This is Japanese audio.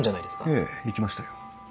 ええ行きましたよ。